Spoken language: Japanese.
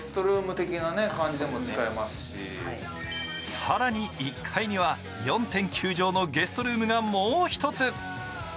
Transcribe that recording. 更に１階には４．９畳のゲストルームがもう一つ。